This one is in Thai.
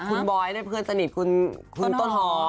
คุณบอยด้วยเพื่อนสนิทคุณต้นหอม